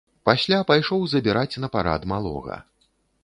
Пасля пайшоў забіраць на парад малога.